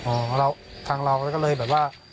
โอ้ทางเราก็เลยแบบว่า